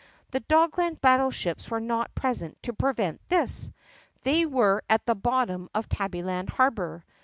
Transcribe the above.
The Dogland battle ships were not present to prevent this. They were at the bottom of Tabbyland Harbor.